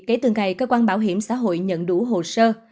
kể từ ngày cơ quan bảo hiểm xã hội nhận đủ hồ sơ